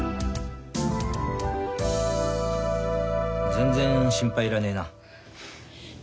全然心配いらねえな。